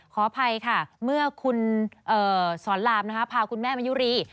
ขออภัยค่ะเมื่อคุณสอนรามพาคุณแม่มายุรี